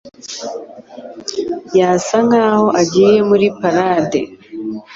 Yasa nkaho agiye muri parade.